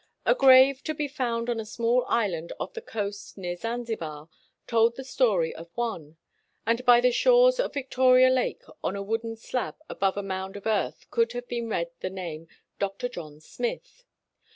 A grave to be fonnd on a small island off the coast near Zanzibar told the story of one ; and by the shores of Victoria Lake on a wooden slab above a mound of earth could have been read the name, "Dr. John Smith."